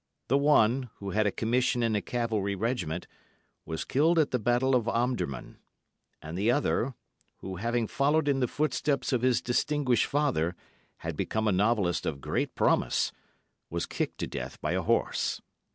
The one, who had a commission in a cavalry regiment, was killed at the Battle of Omdurman, and the other, who having followed in the footsteps of his distinguished father, had become a novelist of great promise, was kicked to death by a horse.